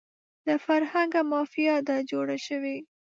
له فرهنګه مافیا ده جوړه شوې